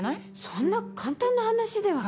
そんな簡単な話では。